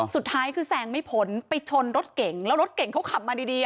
สุดท้ายคือแซงไม่พ้นไปชนรถเก่งแล้วรถเก่งเขาขับมาดี